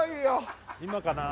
今かな？